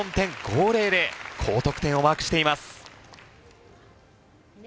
高得点をマークしています。